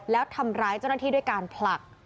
แล้วทำร้ายเจ้าหน้าที่ด้วยการผลัก